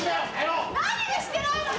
・何がしてないのよ！？